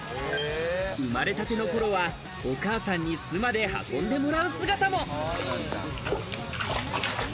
生まれたての頃は、お母さんに巣まで運んでもらう姿も。